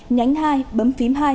nhánh hai bấm phím hai